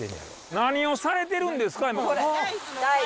何をされてるんですか今。